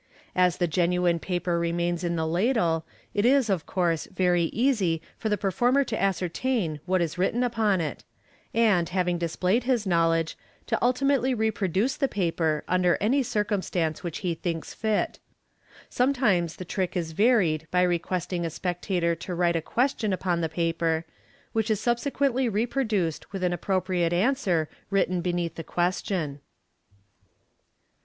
As the genuine paper remains in the ladle, it is, of course, very easy for the performer to ascertain what is written upon it, and having displayed his knowledge, to ultimately reproduce the paper under any circumstance which he thinks fit. Sometimes the trick is varied by requesting a spectator to write a question upon the paper, which is subsequently reproduced with an appropriate answer written beneath the question.